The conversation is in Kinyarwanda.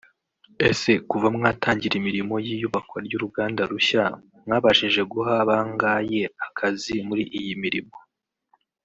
ese kuva mwatangira imirimo y’iyubakwa ry’uruganda rushya mwabashije guha bangaye akazi muri iyi mirimo